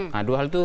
nah dua hal itu